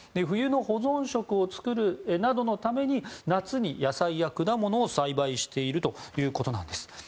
冬の保存食を作るなどのために夏に野菜や果物を栽培しているということです。